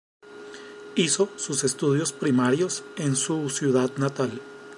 Hizo sus estudios primarios en su ciudad natal.